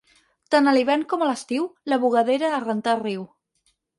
Tant a l'hivern com a l'estiu, la bugadera a rentar al riu.